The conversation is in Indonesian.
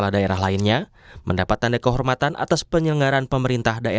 dan mendapat tanda kehormatan atas penyelenggaran pemerintahan